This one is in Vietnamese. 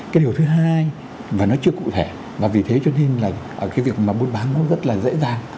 cái điều thứ hai và nó chưa cụ thể và vì thế cho nên là cái việc mua bán nó rất là dễ dàng